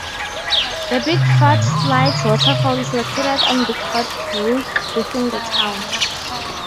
The Bickford Slides waterfall is located on Bickford Brook within the town.